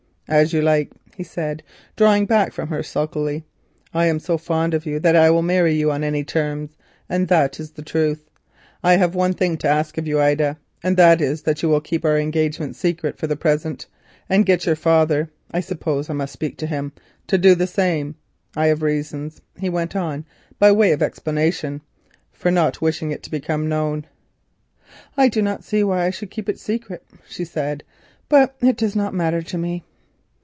"As you like," he said, drawing back from her sulkily. "I am so fond of you that I will marry you on any terms, and that is the truth. I have, however, one thing to ask of you, Ida, and it is that you will keep our engagement secret for the present, and get your father (I suppose I must speak to him) to do the same. I have reasons," he went on by way of explanation, "for not wishing it to become known." "I do not see why I should keep it secret," she said; "but it does not matter to me."